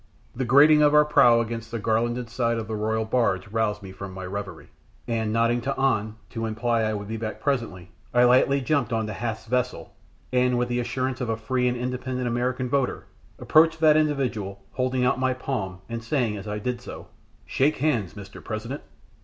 The grating of our prow against the garlanded side of the royal barge roused me from my reverie, and nodding to An, to imply I would be back presently, I lightly jumped on to Hath's vessel, and, with the assurance of a free and independent American voter, approached that individual, holding out my palm, and saying as I did so, "Shake hands, Mr. President!"